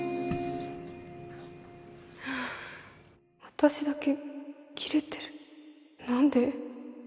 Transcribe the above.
私だけ切れてる何で？